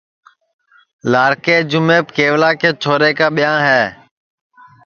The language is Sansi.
لاکے جُمیپ کیولا کے چھورے کا ٻہاں ہے